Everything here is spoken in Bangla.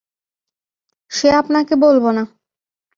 সে আপনাকে বলব না।